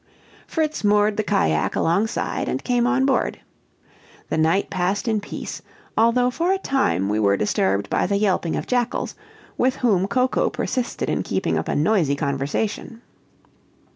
Fritz moored the cajack alongside, and came on board. The night passed in peace, although for a time we were disturbed by the yelping of jackals, with whom Coco persisted in keeping up a noisy conversation.